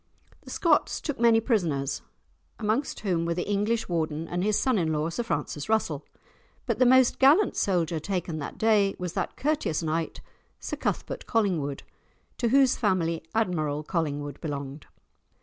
The Scots took many prisoners, amongst whom were the English Warden, and his son in law, Sir Francis Russell; but the most gallant soldier taken that day was that courteous knight, Sir Cuthbert Collingwood, to whose family Admiral Collingwood belonged.